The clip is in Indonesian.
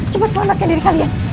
cepat selamatkan dari kalian